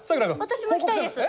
私も行きたいです！